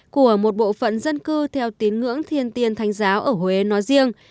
của một bộ phận dân cư theo tín ngưỡng thiên tiên thanh giáo ở huế nói riêng